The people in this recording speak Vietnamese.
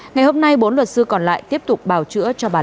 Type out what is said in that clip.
ngày hôm nay bốn luật sư còn lại tiếp tục bào chữa cho bà